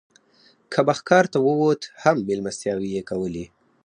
که به ښکار ته ووت هم مېلمستیاوې یې کولې.